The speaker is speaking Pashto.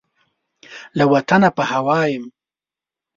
له وطنه په هوا یم